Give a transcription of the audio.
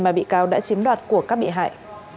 mà bị cáo đã chiếm đoạt của các bị hại